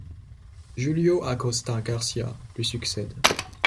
Julio Acosta García lui succède.